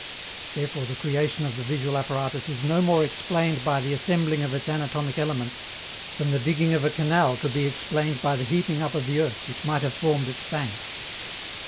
Therefore the creation of the visual apparatus is no more explained by the assembling of its anatomic elements than the digging of a canal could be explained by the heaping up of the earth which might have formed its banks.